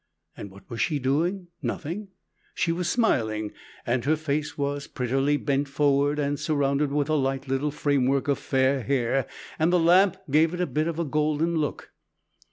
And what was she doing? Nothing; she was smiling, and her face was prettily bent forward and surrounded with a light little framework of fair hair, and the lamp gave it a bit of a golden look.